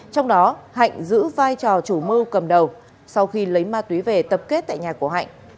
trong đó hạnh giữ vai trò chủ mưu cầm đầu sau khi lấy ma túy về tập kết tại nhà của hạnh